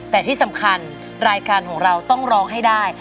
แต่ที่สำคัญรายการของเราต้องร้องให้ได้